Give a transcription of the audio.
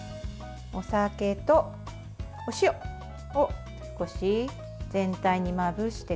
お酒とお塩を少し全体にまぶしてください。